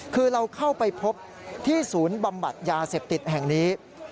คือเราเข้าไปพบที่ศูนย์บำบัดยาเสพติดแห่งนี้